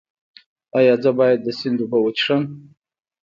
ایا زه باید د سیند اوبه وڅښم؟